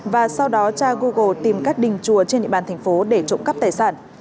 và sau đó tra google tìm các đình chùa trên địa bàn thành phố để trộm cắp tài sản